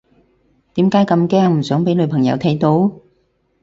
點解咁驚唔想俾女朋友睇到？